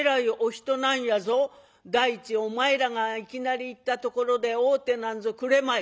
第一お前らがいきなり行ったところで会うてなんぞくれまい」。